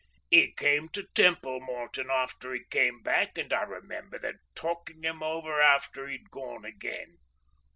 "'E came to Templemorton after 'e came back, and I remember them talking 'im over after 'e'd gone again."